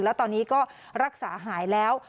แล้วตอนนี้ก็รักษาหายแล้ว